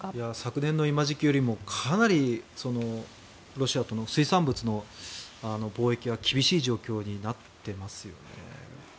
昨年の今の時期よりもロシアとの水産物の貿易が厳しい状況になっています。